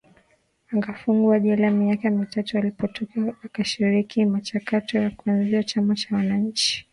Akafungwa jela miaka mitatu alipotoka akashiriki mchakato wa kuanzisha Chama cha Wananchi